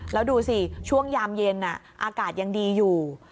แล้วดูสิช่วงยามเย็นอากาศยังดีอยู่